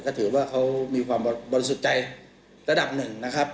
ก็ถือว่าเขามีความบริสุทธิ์ใจระดับหนึ่งนะครับ